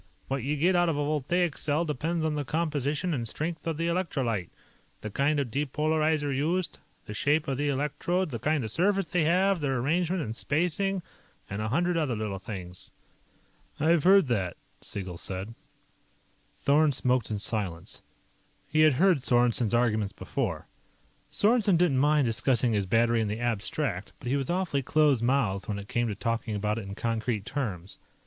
What you get out of a voltaic cell depends on the composition and strength of the electrolyte, the kind of depolarizer used, the shape of the electrodes, the kind of surface they have, their arrangement and spacing, and a hundred other little things." "I've heard that," Siegel said. Thorn smoked in silence. He had heard Sorensen's arguments before. Sorensen didn't mind discussing his battery in the abstract, but he was awfully close mouthed when it came to talking about it in concrete terms.